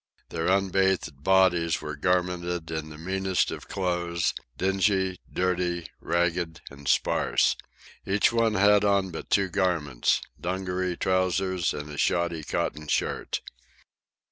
Their unbathed bodies were garmented in the meanest of clothes, dingy, dirty, ragged, and sparse. Each one had on but two garments—dungaree trousers and a shoddy cotton shirt.